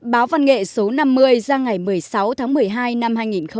báo văn nghệ số năm mươi ra ngày một mươi sáu tháng một mươi hai năm hai nghìn một mươi chín